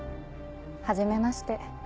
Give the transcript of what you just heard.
はじめまして。